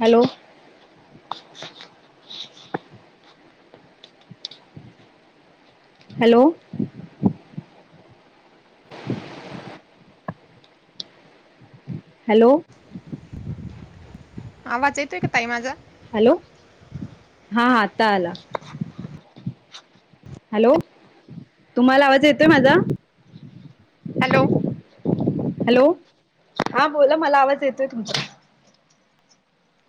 Hello. Hello, [inaudible] hello. आवाज येतोय का ताई माझा? हॅलो, हा आता आला. हॅलो, तुम्हाला आवाज येतोय माझा. हॅलो, हॅलो हा बोला मला आवाज येतोय तुमचा.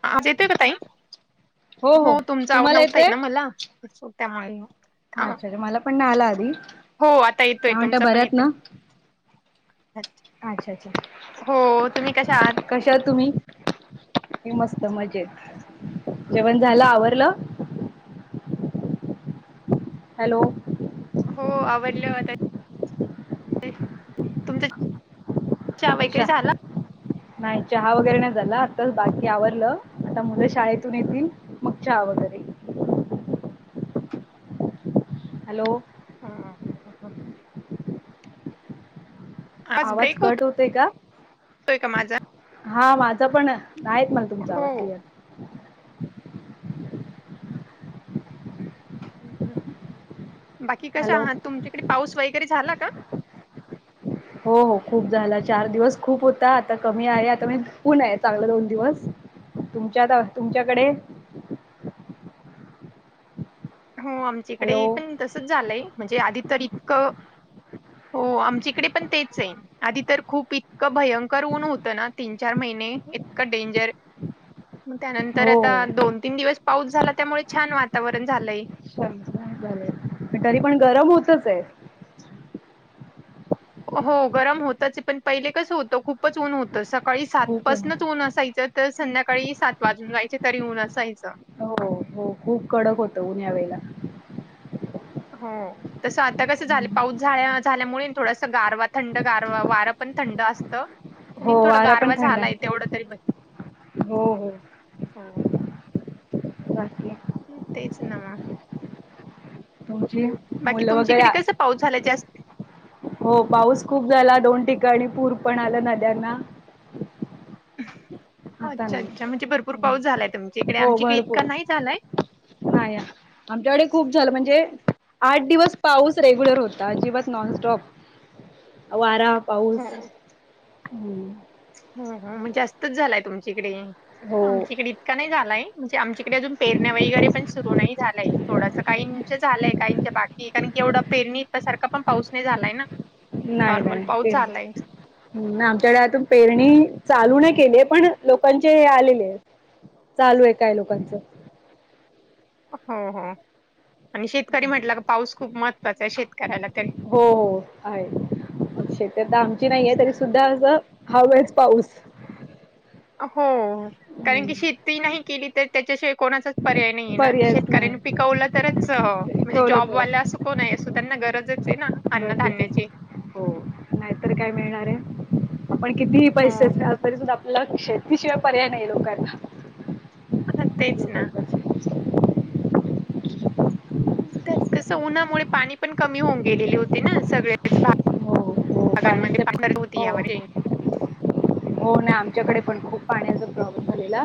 आवाज येतोय का ताई, हो तुमचा आवाज नव्हता येत मला सो त्यामुळे. हा आं अच्छा अच्छा मला पण नाही आला आधी हो आता येतोय काय म्हणता तुमचा पण बऱ्यात येतोय. ना अच्छा, अच्छा अच्छा. आहात? क कशा आहात तुम्ही, मी मस्त मजेत. जेवण झालं आवरलं. हॅलो, हो आवरलं [inaudible] तुमचं अच्छा, नाही चहा वगैरे नाही झाला, आताच बाकी आवरलं आता मुलं शाळेतून येतील. मग चहा वगैरे, हॅलो. हां.. आवाज कट होतोय का. का माझा? हा माझं पण नाही येत मला तुमचा आवाज हो. क्लिअर. बाकी कशा हॅलो आहात तुमच्याकडे पाऊस वगैरे झाला का? हो हो. खूप झाला चार दिवस खूप होता, आता कमी आहे आता ऊन आहे चांगलं दोन दिवस. तुमच्यात तुमच्याकडे हो आमच्या हॅलो ईकडे पण तसच झालंय म्हणजे आधी तर इतकं हो आमच्या इकडे पण तेच आहे. आधी तर खूप इतकं भयंकर ऊन होतं ना, तीन चार महिने इतकं डेंजर मग त्यानंतर हो आता दोन तीन दिवस पाऊस झाला, त्यामुळे छान वातावरण झालंय. [unintelligible] तरी पण गरम होतंच ये. हो गरम होतच पण पहिले कसं होतं खूपच ऊन होतं सकाळी सात पाासूनच ऊन असायचं. तर संध्याकाळी सात वाजून जायचे, तरी ऊन असायचं. हो हो खूप कडक होतं ऊन या वेळेला. हो. तसं आता कसं झालं पाऊस झाल्या झाल्यामुळे ना थोडस गारवा, थंड गारवा वारं पण थंड असतं. आणि हो थोडा वारा पण गारवा थंड झालाय. आहे तेवढं तरी, हो हो हो. बाकी हाय. तेच ना मग. तुमची बाकी मुलं तुमची वगैरे इकडे कसं पाऊस झाला जास्त हो पाऊस खूप झाला, दोन ठिकाणी पूर पण आला नद्यांना. आता अच्छा नाही अच्छा. म्हणजे भरपूर हम्म. पाऊस झालाय तुमच्या इकडे. आमच्या ईकडे इतका नाही झालाय. हाया. आमच्याकडे खूप झालं म्हणजे आठ दिवस पाऊस रेग्युलर होता अजिबात नॉनस्टॉप‌. वारा पाऊस, हो. हम्म. हं हं म्हणजे जास्तच झालंय तुमच्याकडे. हो आमच्याकडे इतका नाही झालाय म्हणजे आमच्याकडे अजून पेरण्या वगैरे पण सुरु नाही झालाय. थोडस काहींचं झालंय, काहीच्या बाक कारण की एवढा पेरणीसारखा पण पाऊस नाही झालाय ना. नाय नॉर्मल नाय. पाऊस झालाय तेच हं आमच्याकडे आजून पेरणी चालू नाही केलीये, पण लोकांचे हे आलेले आहेत. चालू आहे काही लोकांचं. हो हो. आणि शेतकरी म्हटलं का पाऊस खूप महत्त्वाचा आहे शेतकऱ्याला तरी. हो हो आहे. शेतं तर आता आमची तेच नाहीयेत ना तरीसुद्धा असं हवाच पाऊस. अ हो, कारण की शेती नाही केली तर त्याच्याशिवाय कोणाचच पर्याय नाहीये ना. पर्यायच शेतकऱ्यांनं नाही पिकवलं तरच म्हणजे कवलं तर जॉबवाले असो कोण आहे, असो त्यांना गरजच आहे ना? गरजेचच अन्नधान्याची. हो नाहीतर काय मिळणार आहे. आपण कितीही पैसे हो असलं तरी सुद्धा, शेतीशिवाय पर्याय नाही लोकांना. तेच ना. त्यात कसं उन्हामुळे पाणी पण कमी होऊन गेलेली होती ना, सगळे हो हो पाण्याचे हो [unintelligible] [inaudible] हो ना. आमच्याकडे पण खूप पाण्याचा प्रॉब्लेम झालेला.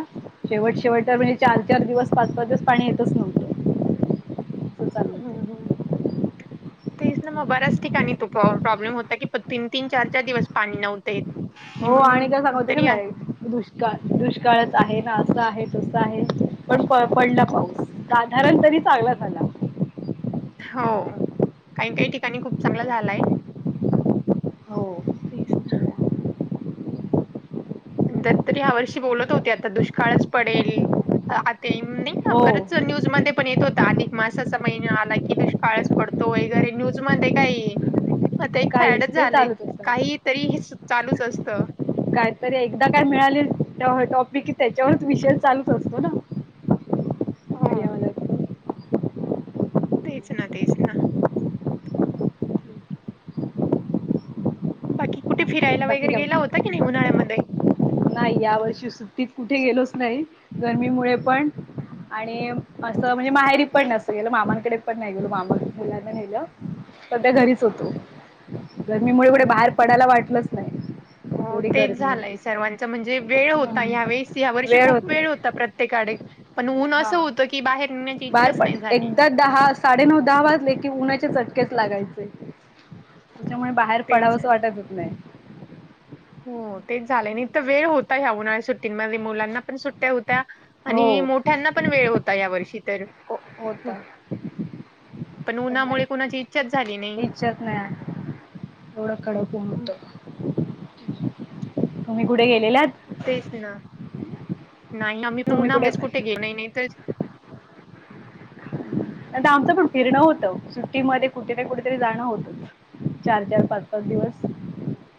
शेवट शेवटला म्ह चार चार दिवस, पाच पाच दिवस पाणी येतंच न्हव हम्म हम्म. [inaudible] तेच ना मग, बऱ्याच ठिकाणी तो प्रॉ प्रॉब्लेम होता की प तीन, तीन, चार, चार दिवस पाणी नव्हतं येत. हो आणि सांगत मग होते तरी आ- की [unintelligible] दुष् ष्काळ दुष्काळच आहे ना असं आहे तसं आहे पण प पडला पाऊस. साधारण तरी चांगला झाला. हो काई काई ठिकाणी खूप चांगला झालाय. हो तेच ना. तरी ह्या वर्षी बोलत होते आता दुष्काळच पडेल. आता ते हे नाही हो का [unintelligible] न्यूजमध्ये पण येत होता, अधिक मासाचा महिना आला की दुष्काळच पडतो वगैरे न्यूजमधे. काहीही आता एक काहीच फॅडच ते झालंय, चालूच काही असतं तरी हे चालूच असतं. कायतरी एकदा काय मिळालेल तेव्हा टॉपिकही त्याच्यावरच विषय चालूच होतो ना. हा. मीडियामध्ये तेच ना, तेच ना. बाकी कुठे फिरायला बाकी वगैरे गेला होता की नाही उन्हाळ्यामध्ये? नाय या वर्षी सुट्टीत कुठे गेलोच नाही गरमीमुळे पण. आणि असं म्हणजे माहेरी पण नसतं गेलं. मामांकडे पण नाही गेलो, मामा मुलांना नेलं. सध्या घरीच होतो. गरमीमुळे हो कुठे हो बाहेर पडायला वाटलंच नाही, एवढी गरमी आहे. सर्वांचा म्हणजे वेळ होता, ह्यावेळेस ह्या वर्षी खूप वेळ होता प्रत्येकाडे. पण ऊन असं हा होतं की बाहेर निघण्याची बाहेर इच्छाच पण नाही झाली. एकदा दहा साडेनऊ दहा वाजले की उन्हाचे चटकेच लागायचे. तेच्यामुळे बाहेर तेच पडावंचं आहे. वाटतच नाही. हो तेच झालंय, नाही तर वेळ होता ह्या उन्हाळ्या सुट्टींमध्ये. मुलांना पण सुट्ट्या होत्या. हो आणि मोठ्यांना पण वेळ होता यावर्षी तर. हो होत हो, पण उन्हामुळे कुणाची इच्छाच झाली नाही. हो हम्म. एवढं कडक ऊन होतं. तुम्ही कुठे गेलेलात? तेच ना. नाही ना मी पण तुम्ही उन्हामुळे कुठे आता गेलेही नाही तर. नाही तर आमचं पण फिरणं होतं, सुट्टीमध्ये कुठे ना कुठेतरी जाणं होतंच. चार चार, पाच पाच दिवस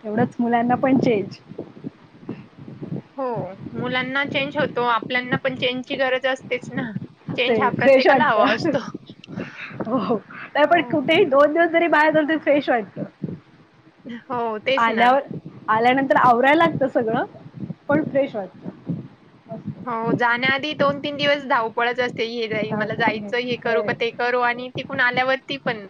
तेवढंच मुलांना पण चेंज. हो मुलांना चेंज होतो, आपल्यांना पण चेंजची गरज असतेच ना. ते चेंज हा फ्रेश प्रत्येकाला हवा वाटतं, असतो. हो. पण हो. कुठेही दोन दिवस जरी बाहेर गेलं तर फ्रेश वाटतं. हो तेच ना. आल्यावर आल्यानंतर आवरायला लागतं सगळं, पण फ्रेश वाट हो जाण्याआधी दोन तीन दिवस धावपळच अस ते हे जाई मला धाव- जायचं हे करू होय. का ते करू आणि तिकून आल्यावरती पण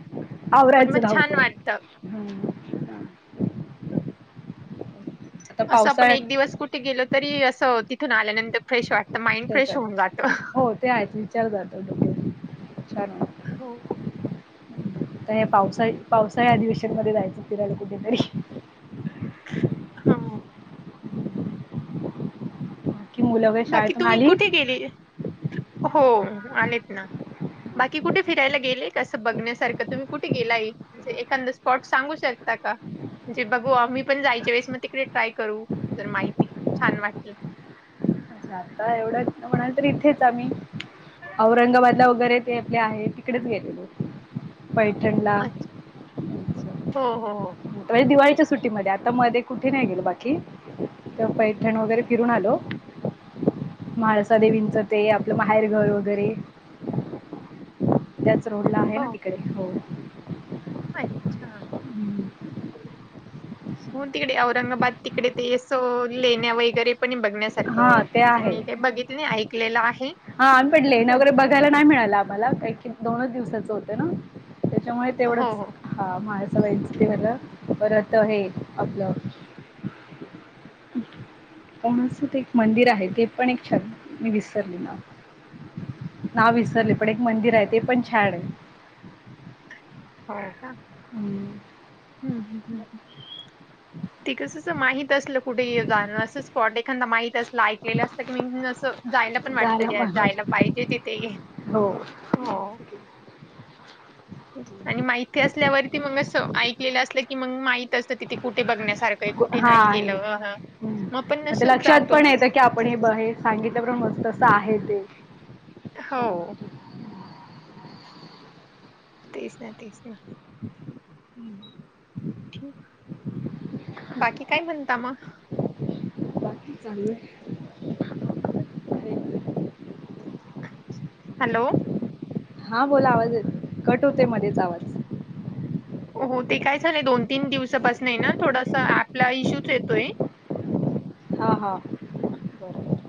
पण मग छान वाटतं. हं हं. [unintelligible] असं आपण एक दिवस कुठे गेलो तरी असं तिथून आल्यानंतर फ्रेश वाटतं, माइंड फ्रेश होऊन जातं. त्याच्यात हो ते आहेच, विचार जात डोक्यातून छान वाटतं. हो. आता हे पावसाळी पावसाळी अधिवेशनमध्ये जायचं फिरायला कुठेतरी. हां. की मुलं वगैरे बाकी शाळेतून तुम्ही आली कुठे गेली? हो आलेत ना. बाकी कुठे फिरायला गेले, कसं बघण्यासारखं तुम्ही कुठे गेलाये? म्हणजे एखांद स्पॉट सांगू शकता का? म्हणजे बघू आम्ही पण जायच्या वेळेस मग तिकडे ट्राय करू. जर माहिती छान वाटलं. अच्छा, आता एवढ्यात म्हणाल तर इथेच आम्ही औरंगाबादला वगैरे ते आपले आहे तिकडेच गेलेलो. पैठणला अच्छा असं. हो हो होय दिवाळीच्या सुट्टीमध्ये. आता मध्ये कुठे नाही गेलो बाकी. तर पैठण वगैरे फिरून आलो. म्हळसा देेवींचं ते आपलं माहेरघर वगैरे त्याच रोडला आहे हो ना तिकडे हो. अच्छा. हम्म. हो तिकडे औरंगाबाद तिकडे ते असं लेण्या वगैरे पण बघ बघण्यासारखं हां ते म्हणजे आहे मी काय बघितलेलं ऐकलेलं आहे. त्याला नाही मिळालं आम्हाला, कायकी दोनच दिवसाच होतय ना, त्याच्यामुळे हो तेवढच. हो हो हा म्हाळसाबाईंच ते झालं, ‌परत हे आपलं कोणाच तरी एक मंदिर आहे, ते पण एक छान मी विसरली नाव. नाव विसरले पण एक मंदिर आहे, ते पण छान आहे. हो का हम्म. हम्म हम्म हम्म हम्म. [inaudible] ते कसं असं माहित असलं कुठे ये जाणं असं स्पॉट एखादा माहित असलं, ऐकलेलं असलं का नाई म असं जायला पण वाटतं झाला घ्या माझा जायला पाहिजे तिथेही. हो हो. आणि माहिती असल्यावरती, मग अस ऐकलेलं असलं की, मग माहित असतं तिथे कुठे बघण्यास हां.. आपण मग ते असं लक्षात जातो पण ना. येतं की आपण हे बहे. सांगितलं प्रमाणे मस्त असं आहे ते. अच्छा. हो. तेच ना, तेच ना. [inaudible] हम्म. बाकी काय, म्हणता मग. बाकी चालू आहे. [unintelligible] [inaudible] हॅलो. हा बोला आवाज येतोय, कट होते मध्येच आवाज. हो ते काय झालंय दोन तीन दिवसापासून आहे, ना थोडास ऍपला इश्यूच येतोय. हां हां बरोबर.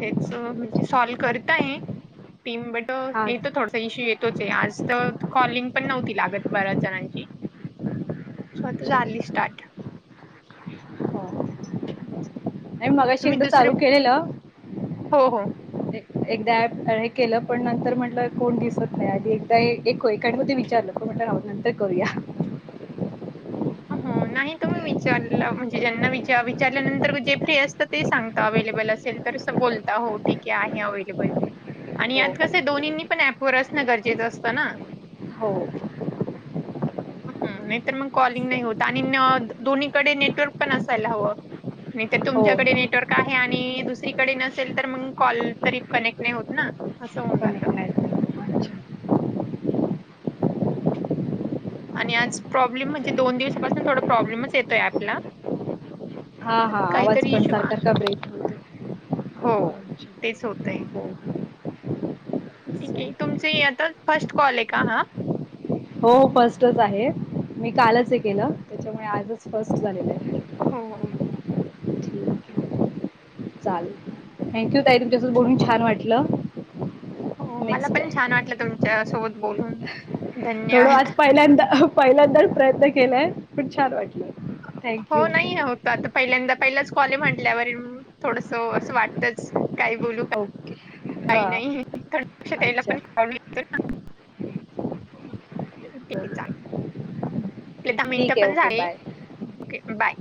तेच म्हणजे सॉल्व करता आहे टीम बेट हा येतं थोडं तर इशू येतोच ये, आज तर कॉलिंग पण नव्हती लागत बऱ्याच जणांची. स्वतः झाली अच्छा. स्टार्ट. हो नाही मगाशी तुम्ही एकदा दुसरे चालू केलेलं. हो, हो. एकदा ॲप हे केलं पण नंतर म्हटलं, कोण दिसत नाही आधी एकदा एक एका म ते विचारलं. तो म्हटला रावत नंतर करू या. हो नाही तुम्ही विचारला म्हणजे, ज्यांना विचार विचारल्यानंतर जे फ्री असतं ते सांगता अवे्लेबल असेल. तरस बोलता हो ठीक आहे अवेलेबल. आणि हो यात कसं दोन्हींनी पण ऍपवर असणं गरजेचं असतं ना. हो. हम्म. नाही तर मग कॉल. नाही होत, आणि दोन्हीकडे नेटवर्क पण असायला हवं. नाही तर हो तुमच्याकडे नेटवर्क आहे, आणि दुसरीकडे नसेल तर मग कॉल तरी कनेक्ट नाही होत ना. असं होवून जात. कनेक्ट नाही झालं. अच्छा. आणि आज प्रॉब्लेम म्हणजे दोन दिवसापासून थोडा प्रॉब्लेमच येतोय ॲपला. हा हा आवाज पण इश्यू सारखा का ब्रेक होतोय. हो, तेच होतंय. हो हो. ठीक आहे. तुमच ही आता फर्स्ट कॉल आहे का हा. हो फर्स्टच आहे. मी कालच हे केलं, त्यांच्यामुळे आजच फर्स्ट झालेलं आहे. हो. ठीक हं. चालेल थँक्यू ताई तुमच्यासोब बोलून छान वाटलं. हो. मला नेक्स्ट पण टाईम छान वाटलं, तुमच्या सोबत बोलून. थोडं धन्यवाद. आज पहिल्यांदा, पहिल्यांदा प्रयत्न केलाय पण छान वाटलं. थँक्यू हो नाहीे होत. आता पहिल्यांदा पहिलाच कॉल आहे, म्हटल्यावर थोडंसं असं वाटतंच काय बोलू. ओके. काही हां नाही थोड्या लक्षात यायला अच्छा [unintelligible] येतो ना. ठीक हो आहे चाल. ते दहा ठीक मिनिटं आहे पण ओके झाले बाय ओके बाय.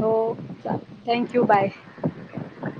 हो चाल थँक्यू बाय. बाय.